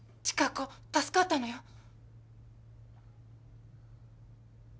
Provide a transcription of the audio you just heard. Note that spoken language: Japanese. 千香子助かったのよ。